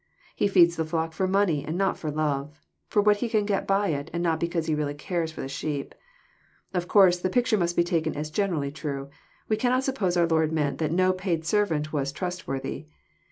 He feeds the flock for money and not for love ; for what he can get by it, and not because he really cares for the sheep. Of course the picture must be taken as generally true : we cannot suppose our Lord meant that no paid servant was trustworthy.